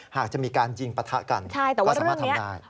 หากจะมีการยิงปะทะกันก็สามารถทำได้